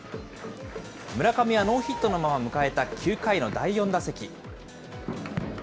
村上はノーヒットのまま迎えた９回の第４打席。